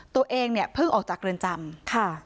ตัวเองเนี่ยเพิ่งออกจากเรือนจำค่ะ